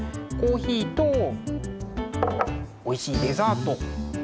コーヒーとおいしいデザート。